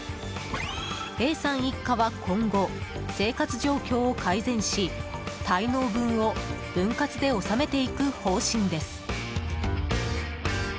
Ａさん一家は今後、生活状況を改善し滞納分を分割で納めていく方針です。